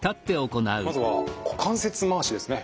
まずは股関節回しですね。